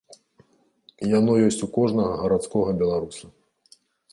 Яно ёсць у кожнага гарадскога беларуса.